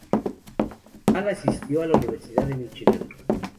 Hall asistió a la Universidad de Míchigan.